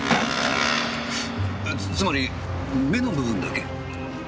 つまり目の部分だけ？